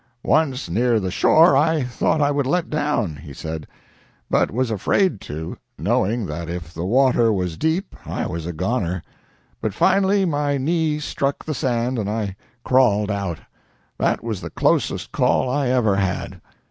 "Once near the shore I thought I would let down," he said, "but was afraid to, knowing that if the water was deep I was a goner, but finally my knee struck the sand and I crawled out. That was the closest call I ever had."